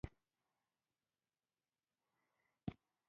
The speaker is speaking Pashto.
جانداد د زړه د سادګۍ ښکلا لري.